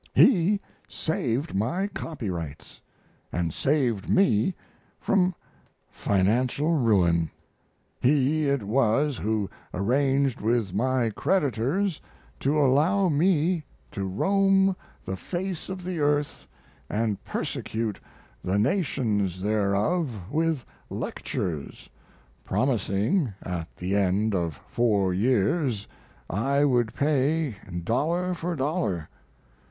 He saved my copyrights, and saved me from financial ruin. He it was who arranged with my creditors to allow me to roam the face of the earth and persecute the nations thereof with lectures, promising at the end of four years I would pay dollar for dollar.